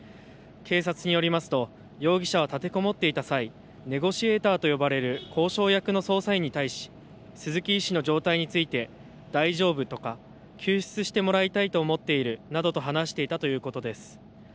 警察によりますと容疑者は立てこもっていた際、ネゴシエーターと呼ばれる交渉役の捜査員に対し鈴木医師の状態について大丈夫とか救出してもらいたいと思っているなどと話していたということです。